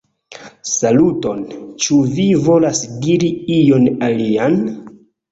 Saluton! Ĉu vi volas diri ion alian?